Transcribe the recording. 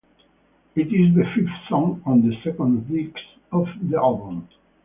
It is the fifth song on the second disc of the album.